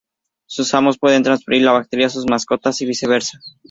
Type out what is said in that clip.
Sus amos pueden transferir la bacteria a sus mascotas y viceversa.